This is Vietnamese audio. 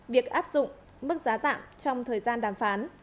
việc áp dụng mức giá tạm trong thời gian đàm phán